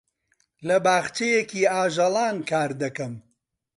لە باخچەیەکی ئاژەڵان کار دەکەم.